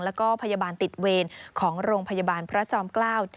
แล้วก็พยาบาลติดเวรของโรงพยาบาลพระจอมเกล้า